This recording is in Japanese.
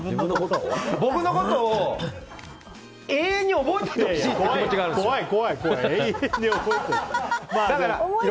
僕のことを永遠に覚えておいてほしい怖い、怖い。